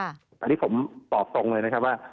อันนี้ผมบอกตรงเลยนะครับว่า